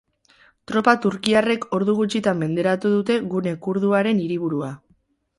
Tropa turkiarrek ordu gutxitan menderatu dute gune kurduaren hiriburua.